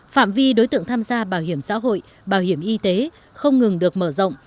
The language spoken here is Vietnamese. phạm vi đối tượng tham gia bảo hiểm xã hội bảo hiểm y tế không ngừng được mở rộng